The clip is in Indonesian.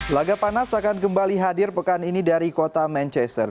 laga panas akan kembali hadir pekan ini dari kota manchester